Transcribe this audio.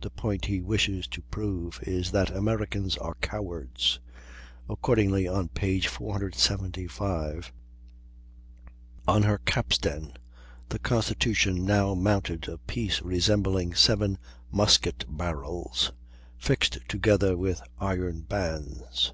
The point he wishes to prove is that Americans are cowards. Accordingly, on p. 475: "On her capstan the Constitution now mounted a piece resembling 7 musket barrels, fixed together with iron bands.